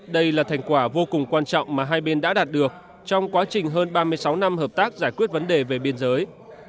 đây là thành quả vô cùng quan trọng mà hai bên đã đạt được trong quá trình hơn ba mươi sáu năm hợp tác giải quyết vấn đề về biên giới